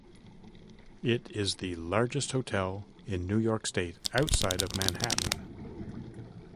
It is the largest hotel in New York state outside of Manhattan.